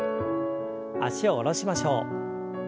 脚を下ろしましょう。